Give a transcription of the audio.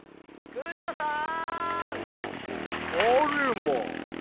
クシャさん。